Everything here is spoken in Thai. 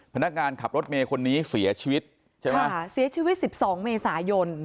พนักงานขับรถเมย์คนนี้เสียชีวิตใช่ไหมค่ะเสียชีวิตสิบสองเมษายน